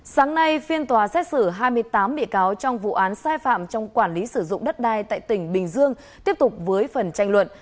sáng nay phiên tòa xét xử hai mươi tám bị cáo trong vụ án sai phạm trong quản lý sử dụng đất đai tại tỉnh bình dương tiếp tục với phần tranh luận